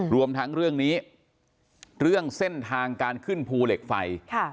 รวมทั้งเรื่องนี้เรื่องเส้นทางการขึ้นภูเหล็กไฟ